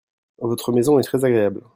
Votre maison est très agréable.